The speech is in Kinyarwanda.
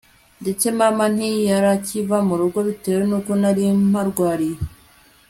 ndetse mama ntiyarakiva murugo bitewe nuko nari mparwariye